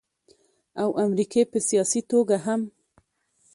او امريکې په سياسي توګه هم